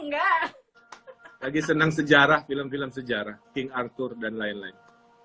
lagi senang sejarah film film sejarah king arthur dan lain lain